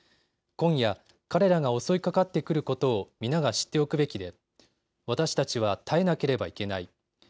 今夜、彼らが襲いかかってくることを皆が知っておくべきで、私たちは耐えなければいけない。